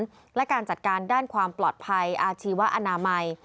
การบริหารและการจัดการด้านความปลอดภัยอาชีวะอนามัย